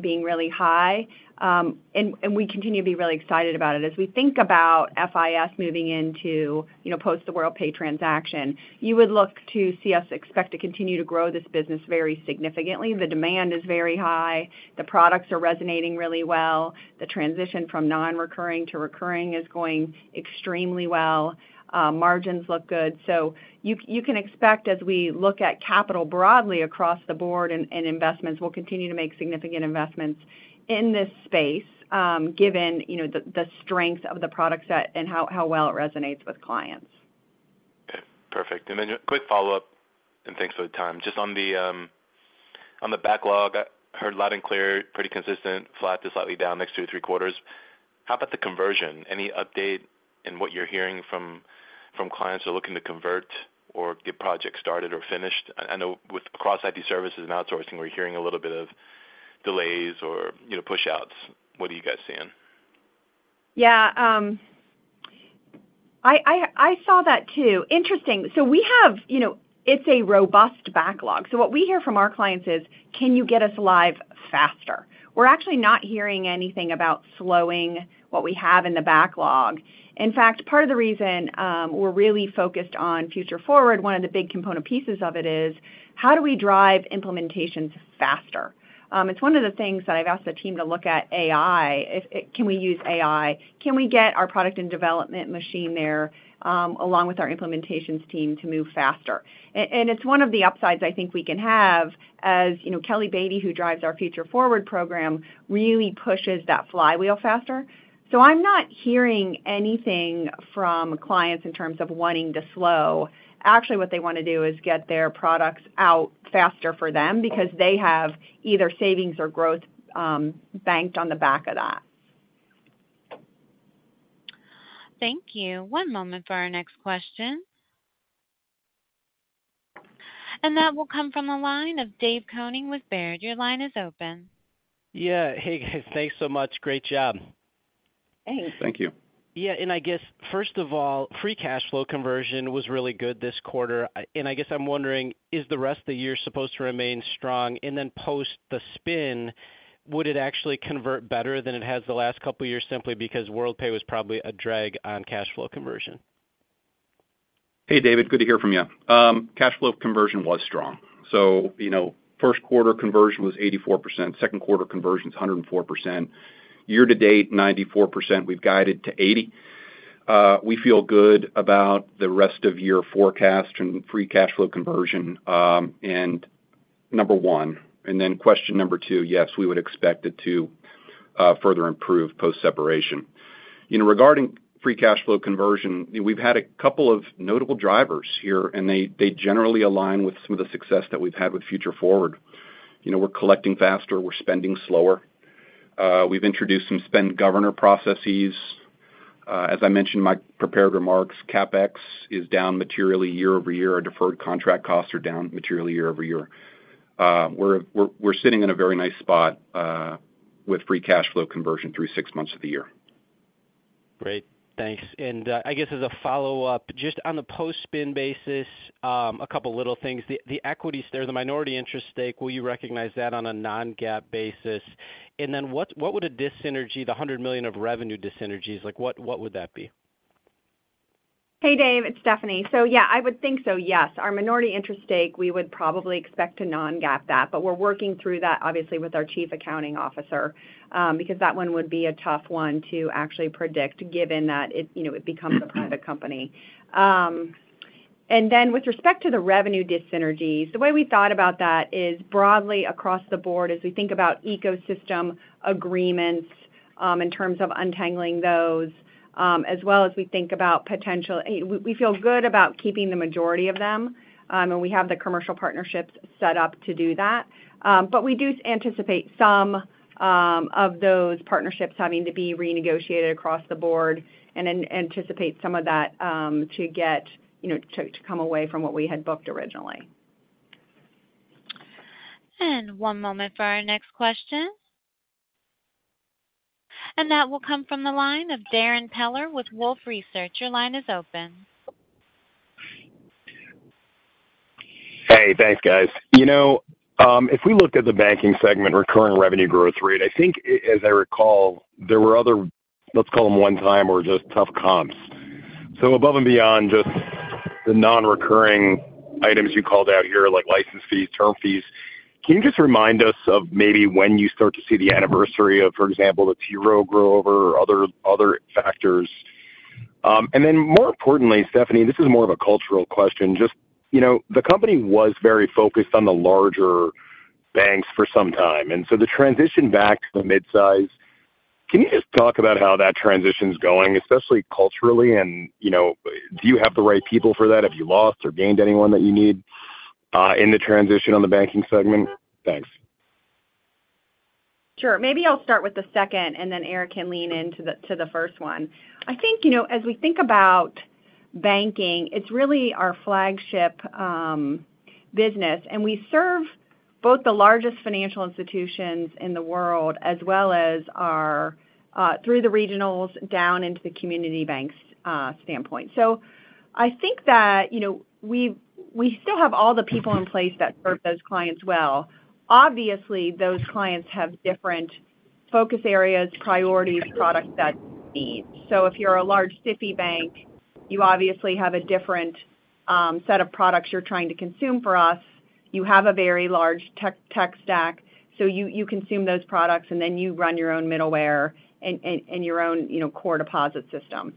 being really high. We continue to be really excited about it. As we think about FIS moving into, you know, post the Worldpay transaction, you would look to see us expect to continue to grow this business very significantly. The demand is very high, the products are resonating really well. The transition from non-recurring to recurring is going extremely well. Margins look good. You, you can expect as we look at capital broadly across the board and, and investments, we'll continue to make significant investments in this space, given, you know, the strength of the product set and how well it resonates with clients. Okay, perfect. Then quick follow-up, and thanks for the time. Just on the, on the backlog, I heard loud and clear, pretty consistent, flat to slightly down next two to three quarters. How about the conversion? Any update in what you're hearing from, from clients who are looking to convert or get projects started or finished? I know with across IT services and outsourcing, we're hearing a little bit of delays or, you know, push outs. What are you guys seeing? Yeah, I, I, I saw that, too. Interesting. We have- you know, it's a robust backlog. What we hear from our clients is: Can you get us live faster? We're actually not hearing anything about slowing what we have in the backlog. In fact, part of the reason, we're really focused on Future Forward, one of the big component pieces of it is: How do we drive implementations faster? It's one of the things that I've asked the team to look at AI. Can we use AI? Can we get our product and development machine there, along with our implementations team to move faster? And it's one of the upsides I think we can have, as you know, Kelly Beatty, who drives our Future Forward program, really pushes that flywheel faster. I'm not hearing anything from clients in terms of wanting to slow. Actually, what they want to do is get their products out faster for them because they have either savings or growth, banked on the back of that. Thank you. One moment for our next question. That will come from the line of Dave Koning with Baird. Your line is open. Yeah. Hey, guys, thanks so much. Great job. Hey. Thank you. Yeah, I guess, first of all, free cash flow conversion was really good this quarter. I guess I'm wondering, is the rest of the year supposed to remain strong? Then post the spin, would it actually convert better than it has the last couple of years, simply because Worldpay was probably a drag on cash flow conversion? Hey, David, good to hear from you. Cash flow conversion was strong. You know, first quarter conversion was 84%, second quarter conversion is 104%. Year to date, 94%, we've guided to 80. We feel good about the rest of year forecast and free cash flow conversion, and number 1. Question number 2, yes, we would expect it to further improve post-separation. You know, regarding free cash flow conversion, we've had a couple of notable drivers here, and they, they generally align with some of the success that we've had with Future Forward. You know, we're collecting faster, we're spending slower. We've introduced some spend governor processes. As I mentioned in my prepared remarks, CapEx is down materially year-over-year. Our deferred contract costs are down materially year-over-year. We're sitting in a very nice spot with free cash flow conversion through six months of the year. Great, thanks. I guess as a follow-up, just on the post-spin basis, a couple of little things. The equities there, the minority interest stake, will you recognize that on a non-GAAP basis? Then what, what would a dis-synergy, the $100 million of revenue dis-synergies, like, what, what would that be? Hey, Dave, it's Stephanie. Yeah, I would think so, yes. Our minority interest stake, we would probably expect to non-GAAP that, but we're working through that, obviously, with our Chief Accounting Officer, because that one would be a tough one to actually predict, given that it, you know, it becomes a private company. Then with respect to the revenue dis-synergies, the way we thought about that is broadly across the board as we think about ecosystem agreements, in terms of untangling those, as well as we think about we, we feel good about keeping the majority of them, and we have the commercial partnerships set up to do that. We do anticipate some of those partnerships having to be renegotiated across the board and anticipate some of that, to get, you know, to, to come away from what we had booked originally. One moment for our next question. That will come from the line of Darrin Peller with Wolfe Research. Your line is open. Hey, thanks, guys. You know, if we looked at the banking segment, recurring revenue growth rate, I think as I recall, there were other, let's call them one-time or just tough comps. Above and beyond just the non-recurring items you called out here, like license fees, term fees, can you just remind us of maybe when you start to see the anniversary of, for example, the T. Rowe Price grow over or other, other factors? More importantly, Stephanie, this is more of a cultural question, just, you know, the company was very focused on the larger banks for some time, and so the transition back to the mid-size, can you just talk about how that transition is going, especially culturally? You know, do you have the right people for that? Have you lost or gained anyone that you need in the transition on the banking segment? Thanks. Sure. Maybe I'll start with the second, and then Erik can lean into the, to the first one. I think, you know, as we think about banking, it's really our flagship business, and we serve both the largest financial institutions in the world, as well as our through the regionals down into the community banks standpoint. I think that, you know, we, we still have all the people in place that serve those clients well. Obviously, those clients have different focus areas, priorities, products that they need. If you're a large SIFI bank, you obviously have a different set of products you're trying to consume for us. You have a very large tech stack, so you, you consume those products, and then you run your own middleware and, and, and your own, you know, core deposit system.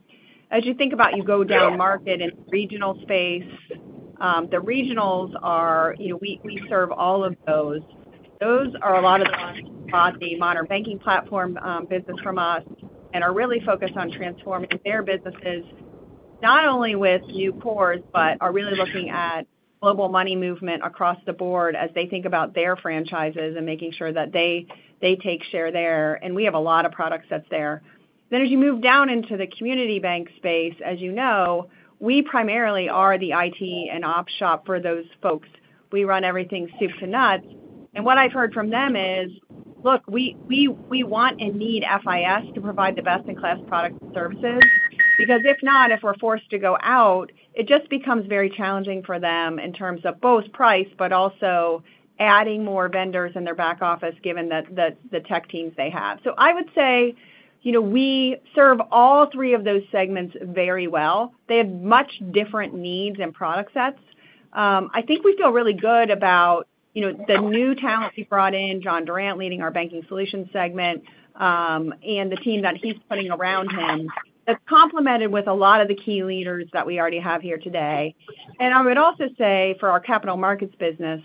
As you think about, you go downmarket in the regional space, the regionals are- you know, we, we serve all of those. Those are a lot of the Modern Banking Platform business from us and are really focused on transforming their businesses, not only with new cores, but are really looking at global money movement across the board as they think about their franchises and making sure that they, they take share there. We have a lot of product sets there. As you move down into the community bank space, as you know, we primarily are the IT and op shop for those folks. We run everything soup to nuts. What I've heard from them is: Look, we want and need FIS to provide the best-in-class product services, because if not, if we're forced to go out, it just becomes very challenging for them in terms of both price, but also adding more vendors in their back office, given that the tech teams they have. I would say, you know, we serve all three of those segments very well. They have much different needs and product sets. I think we feel really good about, you know, the new talent we've brought in, John Durrant, leading our Banking Solutions segment, and the team that he's putting around him, that's complemented with a lot of the key leaders that we already have here today. I would also say for our capital markets business,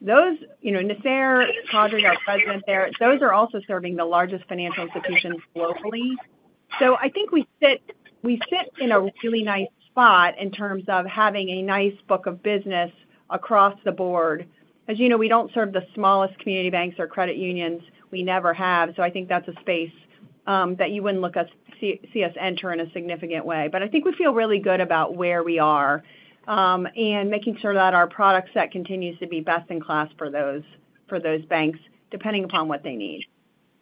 those, you know, Nasser Abdellatif, our president there, those are also serving the largest financial institutions globally. I think we sit, we sit in a really nice spot in terms of having a nice book of business across the board. As you know, we don't serve the smallest community banks or credit unions. We never have. I think that's a space that you wouldn't see, see us enter in a significant way. I think we feel really good about where we are and making sure that our product set continues to be best in class for those, for those banks, depending upon what they need.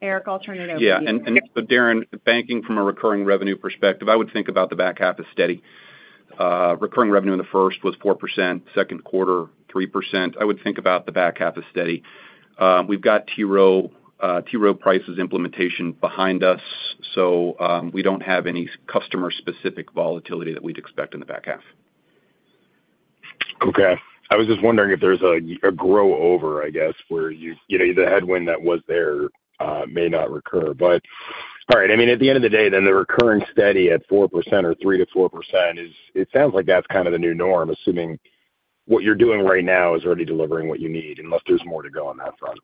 Erik, I'll turn it over to you. Darrin, banking from a recurring revenue perspective, I would think about the back half as steady. Recurring revenue in the first was 4%, second quarter, 3%. I would think about the back half as steady. We've got T. Rowe Price's implementation behind us, so, we don't have any customer-specific volatility that we'd expect in the back half. Okay. I was just wondering if there's a, a grow over, I guess, where you, you know, the headwind that was there, may not recur. All right, I mean, at the end of the day, then the recurring steady at 4% or 3%-4% sounds like that's kind of the new norm, assuming what you're doing right now is already delivering what you need, unless there's more to go on that front.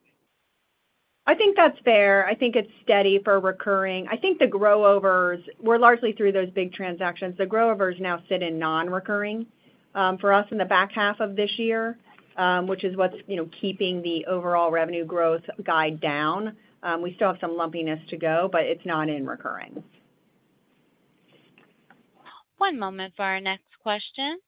I think that's fair. I think it's steady for recurring. I think the grow overs, we're largely through those big transactions. The grow overs now sit in non-recurring, for us in the back half of this year, which is what's, you know, keeping the overall revenue growth guide down. We still have some lumpiness to go, but it's not in recurring. One moment for our next question.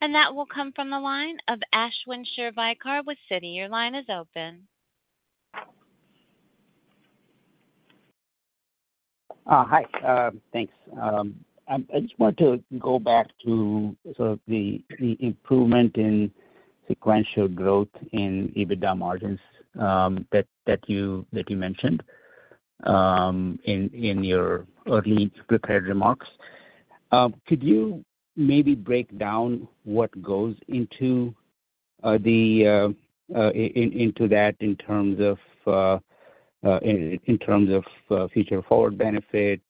That will come from the line of Ashwin Shirvaikar with Citi. Your line is open. Hi. Thanks. I just wanted to go back to sort of the, the improvement in sequential growth in EBITDA margins that you, that you mentioned in your early prepared remarks. Could you maybe break down what goes into the into that in terms of in terms of Future Forward benefit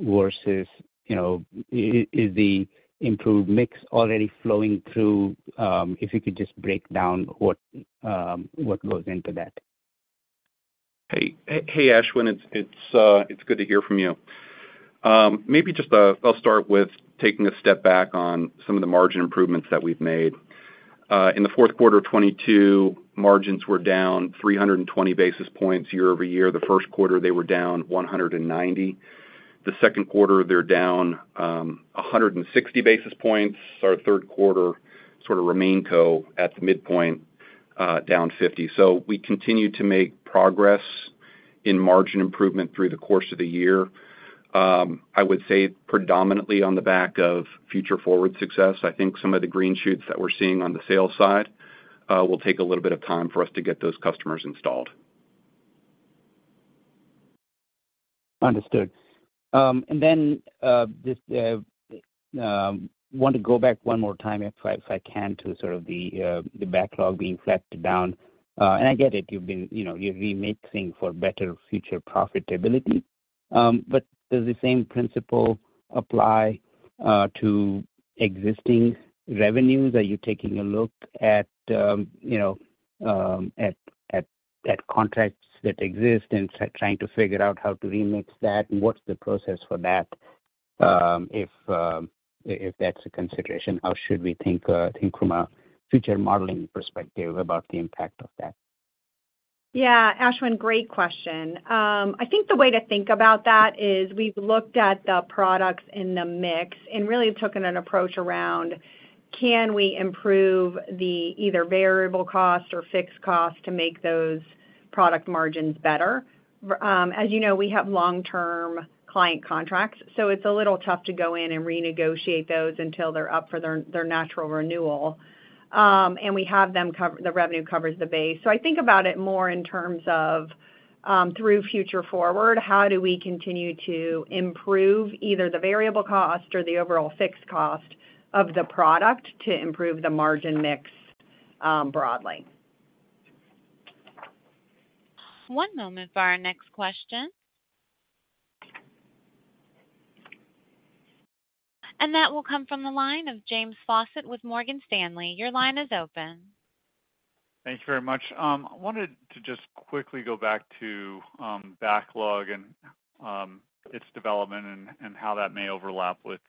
versus, you know, is the improved mix already flowing through? If you could just break down what what goes into that. Hey, hey, Ashwin. It's, it's good to hear from you. Maybe just I'll start with taking a step back on some of the margin improvements that we've made. In the fourth quarter of 2022, margins were down 320 basis points year-over-year. The first quarter, they were down 190. The second quarter, they're down 160 basis points. Our third quarter sort of RemainCo at the midpoint, down 50. We continue to make progress in margin improvement through the course of the year. I would say predominantly on the back of Future Forward success. I think some of the green shoots that we're seeing on the sales side, will take a little bit of time for us to get those customers installed. Understood. Just want to go back one more time, if I, if I can, to sort of the backlog being flattened down. I get it, you've been, you know, you're remixing for better future profitability. Does the same principle apply to existing revenues? Are you taking a look at, you know, at, at, at contracts that exist and trying to figure out how to remix that? What's the process for that? If that's a consideration, how should we think, think from a future modeling perspective about the impact of that? Yeah, Ashwin, great question. I think the way to think about that is we've looked at the products in the mix and really taken an approach around can we improve the either variable cost or fixed cost to make those product margins better? As you know, we have long-term client contracts, so it's a little tough to go in and renegotiate those until they're up for their, their natural renewal. We have them cover- the revenue covers the base. I think about it more in terms of, through Future Forward, how do we continue to improve either the variable cost or the overall fixed cost of the product to improve the margin mix, broadly. One moment for our next question. That will come from the line of James Faucette with Morgan Stanley. Your line is open. Thank you very much. I wanted to just quickly go back to, backlog and, its development and, and how that may overlap with,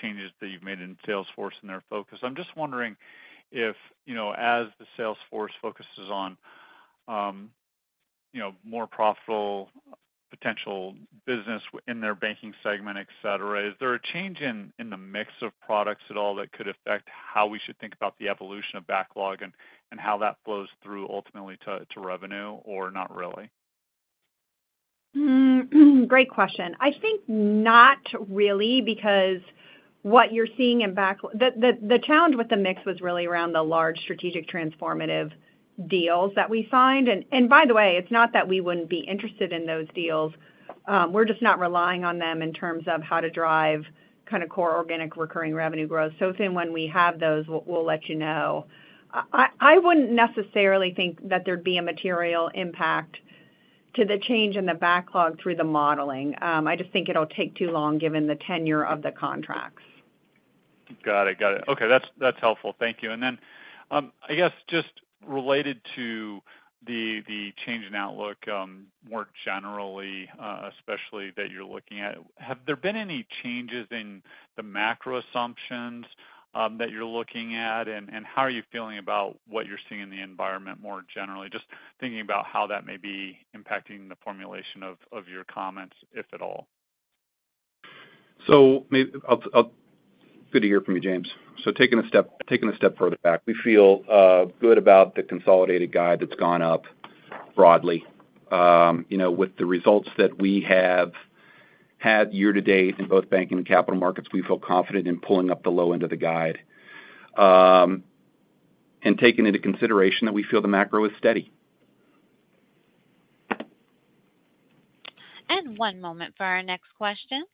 changes that you've made in Salesforce and their focus. I'm just wondering if, you know, as the Salesforce focuses on, you know, more profitable potential business in their banking segment, et cetera, is there a change in, in the mix of products at all that could affect how we should think about the evolution of backlog and, and how that flows through ultimately to, to revenue, or not really? Great question. I think not really, because what you're seeing in the challenge with the mix was really around the large strategic transformative deals that we signed. By the way, it's not that we wouldn't be interested in those deals, we're just not relying on them in terms of how to drive kind of core organic recurring revenue growth. If and when we have those, we'll, we'll let you know. I, I, I wouldn't necessarily think that there'd be a material impact to the change in the backlog through the modeling. I just think it'll take too long given the tenure of the contracts. Got it. Got it. Okay, that's, that's helpful. Thank you. Then, I guess just related to the, the change in outlook, more generally, especially that you're looking at, have there been any changes in the macro assumptions, that you're looking at? How are you feeling about what you're seeing in the environment more generally? Just thinking about how that may be impacting the formulation of, of your comments, if at all. I'll, I'll. Good to hear from you, James. Taking a step, taking a step further back, we feel good about the consolidated guide that's gone up broadly. You know, with the results that we have had year to date in both banking and capital markets, we feel confident in pulling up the low end of the guide, and taking into consideration that we feel the macro is steady. One moment for our next question.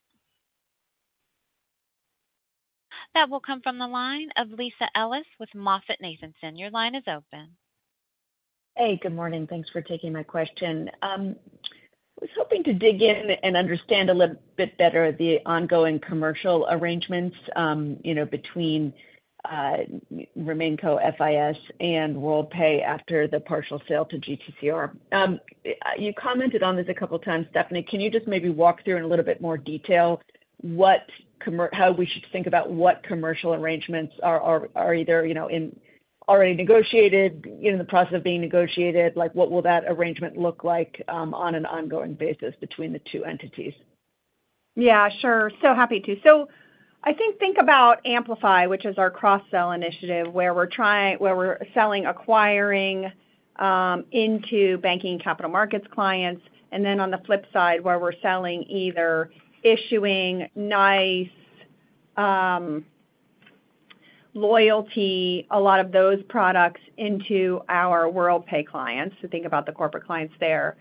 That will come from the line of Lisa Ellis with MoffettNathanson. Your line is open. Hey, good morning. Thanks for taking my question. I was hoping to dig in and understand a little bit better the ongoing commercial arrangements, you know, between RemainCo FIS and Worldpay after the partial sale to GTCR. You commented on this a couple of times, Stephanie. Can you just maybe walk through in a little bit more detail what how we should think about what commercial arrangements are either, you know, in already negotiated, in the process of being negotiated? Like, what will that arrangement look like on an ongoing basis between the two entities? Yeah, sure. Happy to. I think, think about Amplify, which is our cross-sell initiative, where we're trying- where we're selling, acquiring, into banking and capital markets clients, and then on the flip side, where we're selling, either issuing NYCE, loyalty, a lot of those products into our Worldpay clients, so think about the corporate clients there.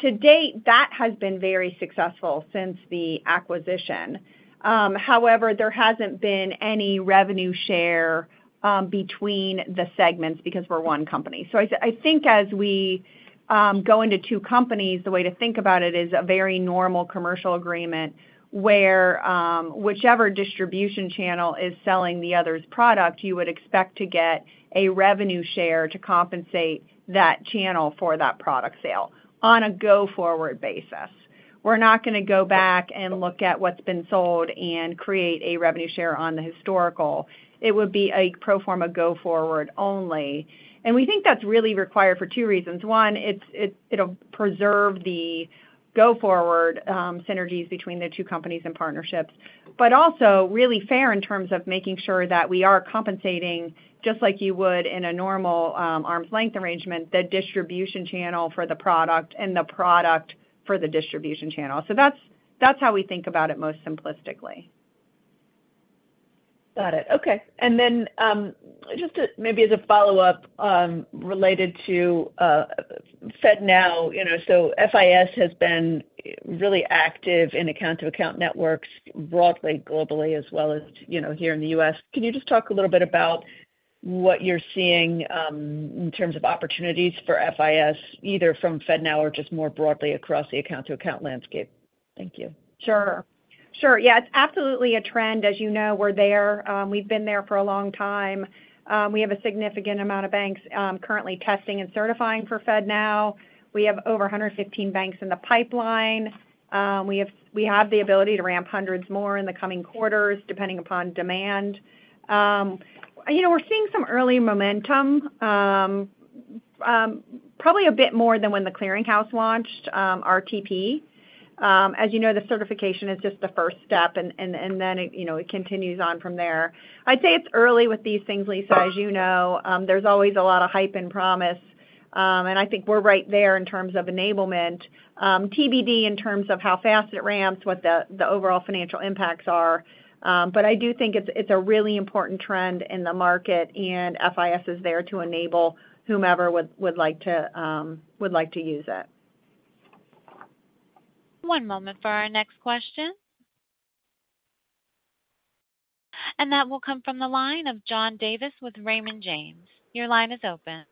To date, that has been very successful since the acquisition. However, there hasn't been any revenue share, between the segments because we're one company. I think as we, go into two companies, the way to think about it is a very normal commercial agreement where, whichever distribution channel is selling the other's product, you would expect to get a revenue share to compensate that channel for that product sale on a go-forward basis. We're not going to go back and look at what's been sold and create a revenue share on the historical. It would be a pro forma go forward only. We think that's really required for two reasons. One, it'll preserve the go-forward synergies between the two companies and partnerships, but also really fair in terms of making sure that we are compensating just like you would in a normal arm's length arrangement, the distribution channel for the product and the product for the distribution channel. That's how we think about it most simplistically. Got it. Okay. Then, just to, maybe as a follow-up, related to, FedNow, you know, so FIS has been really active in account-to-account networks broadly, globally, as well as, you know, here in the U.S. Can you just talk a little bit about what you're seeing, in terms of opportunities for FIS, either from FedNow or just more broadly across the account-to-account landscape? Thank you. Sure. Sure. Yeah, it's absolutely a trend. As you know, we're there. We've been there for a long time. We have a significant amount of banks, currently testing and certifying for FedNow. We have over 115 banks in the pipeline. We have, we have the ability to ramp hundreds more in the coming quarters, depending upon demand. You know, we're seeing some early momentum, probably a bit more than when The Clearing House launched, RTP. As you know, the certification is just the first step, and then it, you know, it continues on from there. I'd say it's early with these things, Lisa. As you know, there's always a lot of hype and promise, and I think we're right there in terms of enablement. TBD in terms of how fast it ramps, what the overall financial impacts are. I do think it's, it's a really important trend in the market, and FIS is there to enable whomever would like to, would like to use it. One moment for our next question. That will come from the line of John Davis with Raymond James. Your line is open.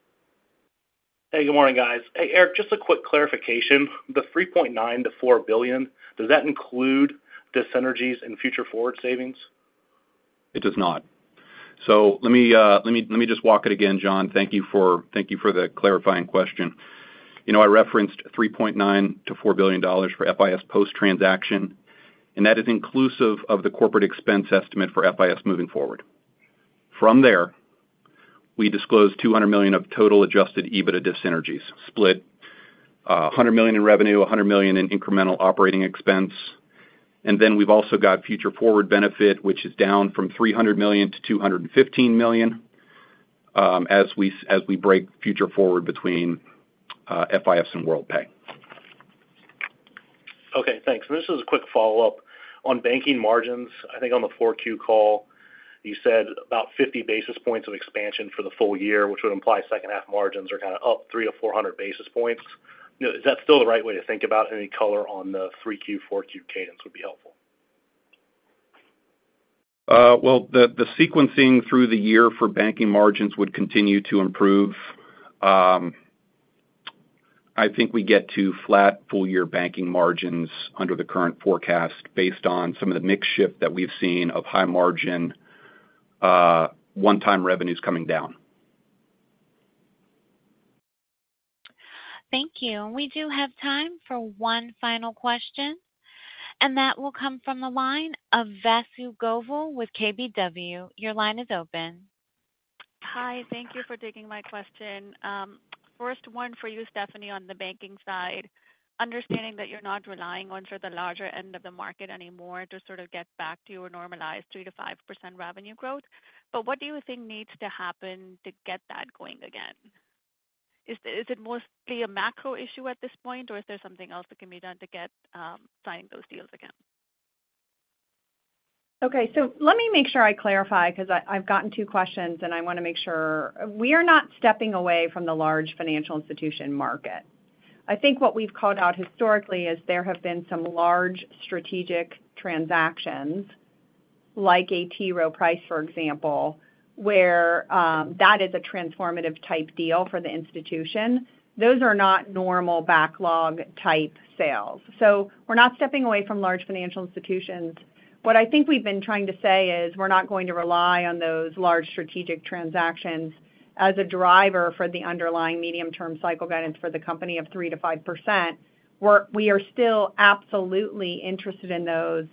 Hey, good morning, guys. Hey, Erik, just a quick clarification. The $3.9 billion-$4 billion, does that include dyssynergies and Future Forward savings? It does not. Let me, let me, let me just walk it again, John. Thank you for thank you for the clarifying question. You know, I referenced $3.9 billion-$4 billion for FIS post-transaction, and that is inclusive of the corporate expense estimate for FIS moving forward. From there, we disclosed $200 million of total adjusted EBITDA dyssynergies, split, $100 million in revenue, $100 million in incremental operating expense. Then we've also got Future Forward benefit, which is down from $300 million to $215 million, as we as we break Future Forward between FIS and Worldpay. Okay, thanks. This is a quick follow-up. On banking margins, I think on the Q4 call, you said about 50 basis points of expansion for the full year, which would imply second half margins are kind of up 300-400 basis points. You know, is that still the right way to think about? Any color on the Q3, Q4 cadence would be helpful. Well, the, the sequencing through the year for banking margins would continue to improve. I think we get to flat full-year banking margins under the current forecast based on some of the mix shift that we've seen of high margin, one-time revenues coming down. Thank you. We do have time for one final question. That will come from the line of Vasu Govil with KBW. Your line is open. Hi, thank you for taking my question. First one for you, Stephanie, on the banking side. Understanding that you're not relying on sort of the larger end of the market anymore to sort of get back to your normalized 3%-5% revenue growth, but what do you think needs to happen to get that going again? Is, is it mostly a macro issue at this point, or is there something else that can be done to get, signing those deals again? Okay, let me make sure I clarify, because I've gotten two questions, and I want to make sure. We are not stepping away from the large financial institution market. I think what we've called out historically is there have been some large strategic transactions like a T. Rowe Price, for example, where that is a transformative type deal for the institution. Those are not normal backlog-type sales. We're not stepping away from large financial institutions. What I think we've been trying to say is we're not going to rely on those large strategic transactions as a driver for the underlying medium-term cycle guidance for the company of 3%-5%. We are still absolutely interested in those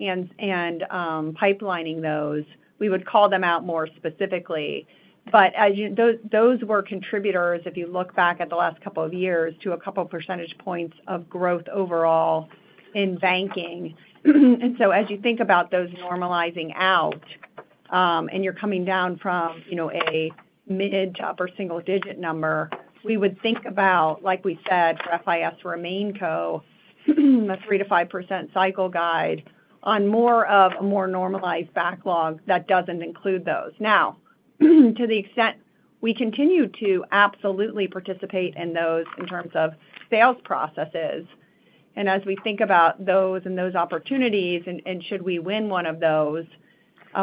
and pipelining those. We would call them out more specifically. As you... Those, those were contributors, if you look back at the last couple of years, to 2 percentage points of growth overall in banking. As you think about those normalizing out, and you're coming down from, you know, a mid to upper single digit number, we would think about, like we said, for FIS Remainco, a 3%-5% cycle guide on more of a more normalized backlog that doesn't include those. Now, to the extent we continue to absolutely participate in those in terms of sales processes, and as we think about those and those opportunities and, and should we win one of those,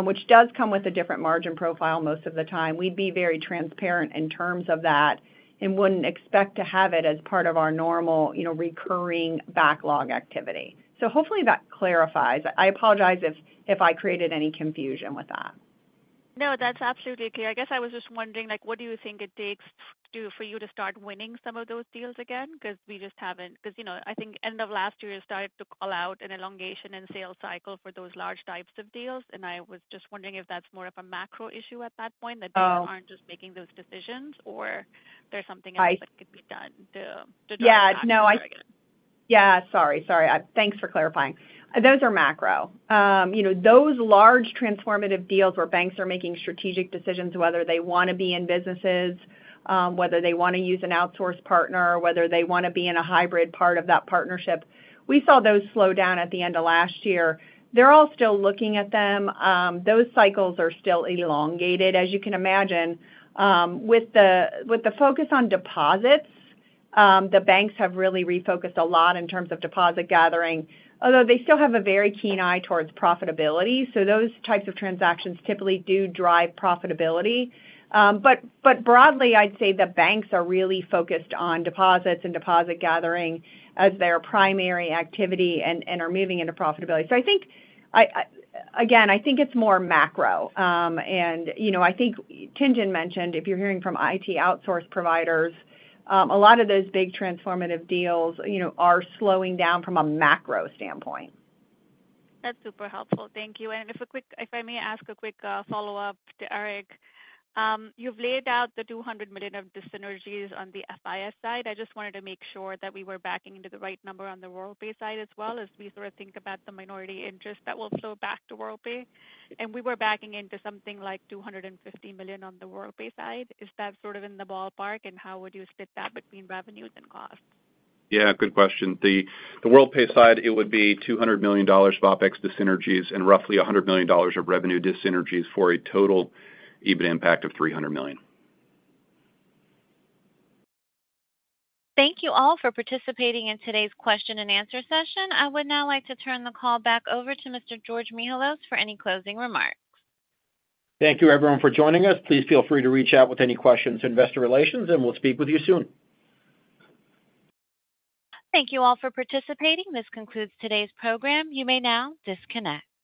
which does come with a different margin profile, most of the time, we'd be very transparent in terms of that and wouldn't expect to have it as part of our normal, you know, recurring backlog activity. Hopefully that clarifies. I apologize if I created any confusion with that. No, that's absolutely clear. I guess I was just wondering, like, what do you think it takes to, for you to start winning some of those deals again? We just haven't. You know, I think end of last year, you started to call out an elongation in sales cycle for those large types of deals. I was just wondering if that's more of a macro issue at that point that they aren't just making those decisions, or there's something else that could be done to drive that again. Yeah, sorry, sorry. Thanks for clarifying. Those are macro. you know, those large transformative deals where banks are making strategic decisions, whether they want to be in businesses, whether they want to use an outsource partner, or whether they want to be in a hybrid part of that partnership, we saw those slow down at the end of last year. They're all still looking at them. Those cycles are still elongated. As you can imagine, with the, with the focus on deposits, the banks have really refocused a lot in terms of deposit gathering, although they still have a very keen eye towards profitability. Those types of transactions typically do drive profitability. But broadly, I'd say the banks are really focused on deposits and deposit gathering as their primary activity and, and are moving into profitability. I think, I, I, again, I think it's more macro. You know, I think Tien-tsin mentioned if you're hearing from IT outsource providers, a lot of those big transformative deals, you know, are slowing down from a macro standpoint. That's super helpful. Thank you. Just if I may ask a quick follow-up to Erik. You've laid out the $200 million of dyssynergies on the FIS side. I just wanted to make sure that we were backing into the right number on the Worldpay side as well, as we sort of think about the minority interest that will flow back to Worldpay. We were backing into something like $250 million on the Worldpay side. Is that sort of in the ballpark, and how would you split that between revenues and costs? Yeah, good question. The Worldpay side, it would be $200 million of OpEx dyssynergies and roughly $100 million of revenue dyssynergies, for a total EBIT impact of $300 million. Thank you all for participating in today's question and answer session. I would now like to turn the call back over to Mr. George Mihalos for any closing remarks. Thank you, everyone, for joining us. Please feel free to reach out with any questions to investor relations. We'll speak with you soon. Thank you all for participating. This concludes today's program. You may now disconnect.